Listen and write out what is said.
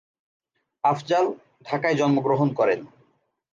আফজাল ঢাকায় জন্মগ্রহণ করেন।